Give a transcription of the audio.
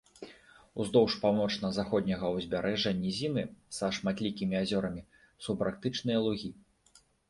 Уздоўж паўночна-заходняга ўзбярэжжа нізіны са шматлікімі азёрамі, субарктычныя лугі.